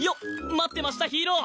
待ってましたヒーロー！